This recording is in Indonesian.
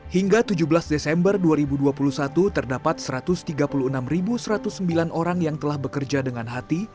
hingga tujuh belas desember dua ribu dua puluh satu terdapat satu ratus tiga puluh enam satu ratus sembilan orang yang telah bekerja dengan hati